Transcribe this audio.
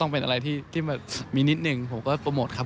ถ้าผมจะจีบผมก็จะจีบนานแล้ว